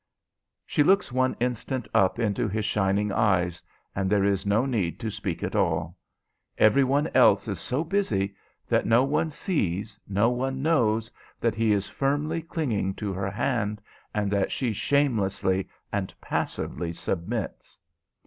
She looks one instant up into his shining eyes, and there is no need to speak at all. Every one else is so busy that no one sees, no one knows, that he is firmly clinging to her hand, and that she shamelessly and passively submits.